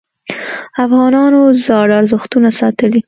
افغانانو زاړه ارزښتونه ساتلي.